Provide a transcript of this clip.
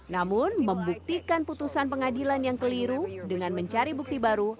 namun membuktikan putusan pengadilan yang keliru dengan mencari bukti baru